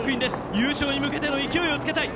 優勝に向けて勢いをつけたい。